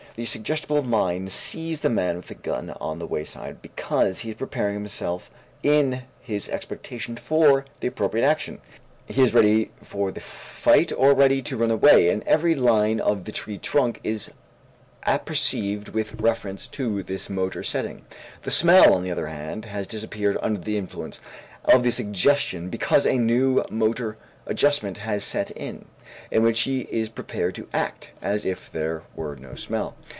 The suggestible mind sees the man with a gun on the wayside because he is preparing himself in his expectation for the appropriate action; he is ready for the fight or ready to run away, and every line of the tree trunk is apperceived with reference to this motor setting. The smell, on the other hand, has disappeared under the influence of the suggestion because a new motor adjustment has set in, in which he is prepared to act as if there were no smell.